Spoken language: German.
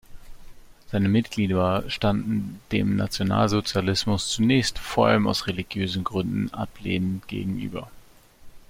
Seine Mitglieder standen dem Nationalsozialismus zunächst vor allem aus religiösen Gründen ablehnend gegenüber.